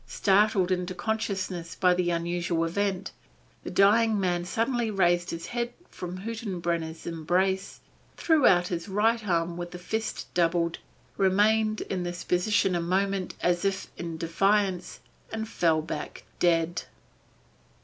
Startled into consciousness by the unusual event, the dying man suddenly raised his head from Hüttenbrenner's embrace, threw out his right arm with the fist doubled, remained in this position a moment as if in defiance, and fell back dead.